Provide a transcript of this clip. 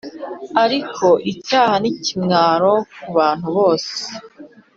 ariko icyaha nikimwaro kubantu bose